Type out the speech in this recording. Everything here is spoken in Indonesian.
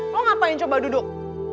lo ngapain coba duduk